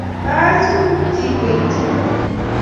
Kae sumuk chik koitchi ingweny